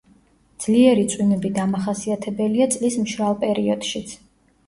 ძლიერი წვიმები დამახასიათებელია წლის მშრალ პერიოდშიც.